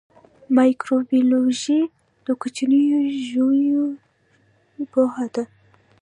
مایکروبیولوژي د کوچنیو ژویو پوهنه ده